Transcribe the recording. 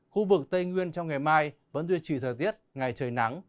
khu vực tây nguyên trong ngày mai vẫn duy trì thời tiết ngày trời nắng